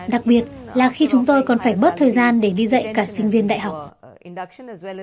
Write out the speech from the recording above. đặc biệt là khi chúng tôi còn phải bớt thời gian để đi dạy cả sinh viên đại học